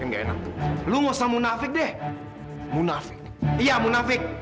itu udah ingat janji tau gak